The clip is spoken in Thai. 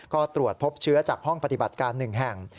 ก็ตรวจพบเชื้อจากห้องปฏิบัติการ๑แห่ง